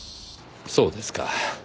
そうですか。